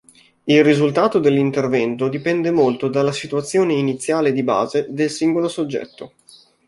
Il risultato dell’intervento dipende molto dalla situazione iniziale di base del singolo soggetto.